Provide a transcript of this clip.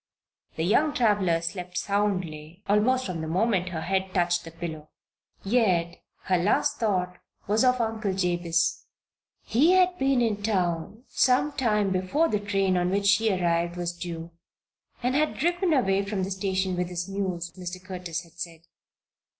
The young traveler slept soundly almost from the moment her head touched the pillow. Yet her last thought was of Uncle Jabez. He had been in town some time before the train on which she arrived was due and had driven away from the station with his mules, Mr. Curtis said.